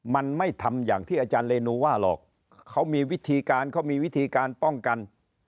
มันไม่ทำอย่างที่อาจารย์เรนูว่าหรอกเขามีวิธีการเขามีวิธีการป้องกัน